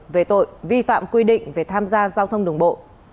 về tội vi phạm quy định về tham gia giao thông đường bộ